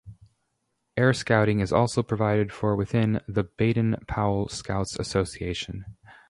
Air Scouting is also provided for within the Baden-Powell Scouts' Association.